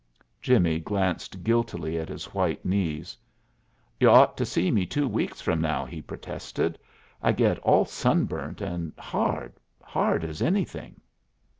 Jimmie glanced guiltily at his white knees. "You ought ter see me two weeks from now," he protested. "I get all sunburnt and hard hard as anything!"